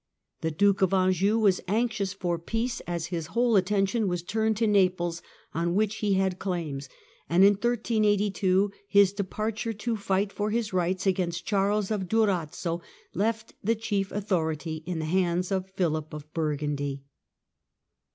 The Duke of Anjou was anxious for peace, as his whole attention was turned to Naples, on which he had claims, and in 1382 his departure to fight for his rights against Charles of Durazzo left the chief authority in the hands of Philip of Burgundy.